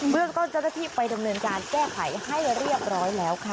เบื้องก็จะได้ที่ไปดำเนินการแก้ไขให้เรียบร้อยแล้วค่ะ